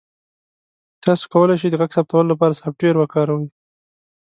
تاسو کولی شئ د غږ ثبتولو لپاره سافټویر وکاروئ.